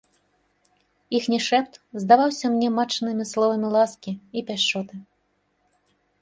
Іхні шэпт здаваўся мне матчынымі словамі ласкі і пяшчоты.